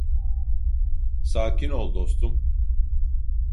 Sakin ol dostum.